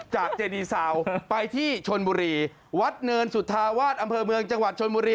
เจดีซาวไปที่ชนบุรีวัดเนินสุธาวาสอำเภอเมืองจังหวัดชนบุรี